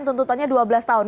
tuntutannya dua belas tahun